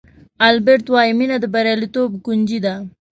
البرټ وایي مینه د بریالیتوب کونجي ده.